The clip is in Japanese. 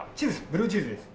ブルーチーズ！